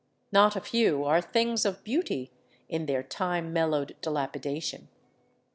Not a few are things of beauty in their time mellowed delapidation.